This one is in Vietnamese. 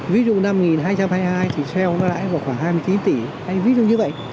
ví dụ năm một nghìn hai trăm hai mươi hai thì sell nó lãi vào khoảng hai mươi chín tỷ hay ví dụ như vậy